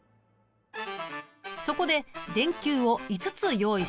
そこで電球を５つ用意した。